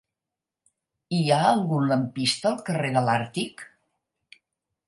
Hi ha algun lampista al carrer de l'Àrtic?